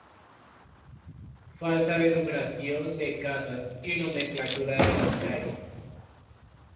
Falta de numeración de casas y nomenclaturas de las calles.